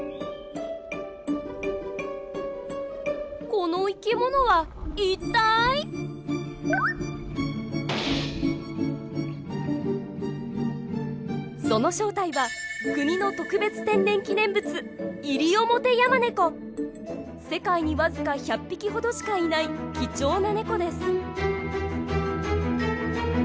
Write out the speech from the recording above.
この生き物は一体⁉その正体は国の特別天然記念物世界にわずか１００匹ほどしかいない貴重なネコです。